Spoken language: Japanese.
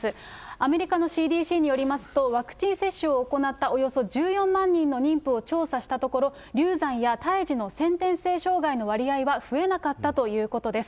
アメリカのＣＤＣによりますと、ワクチン接種を行ったおよそ１４万人の妊婦を調査したところ、流産や胎児の先天性障害の割合は増えなかったということです。